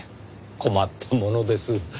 困ったものです。